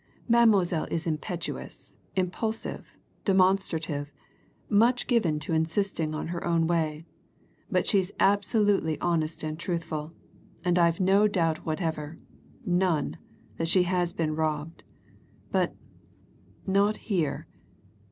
"Mademoiselle is impetuous, impulsive, demonstrative, much given to insisting on her own way, but she's absolutely honest and truthful, and I've no doubt whatever none! that she's been robbed. But not here.